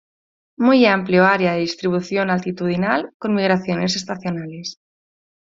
Muy amplio área de distribución altitudinal, con migraciones estacionales.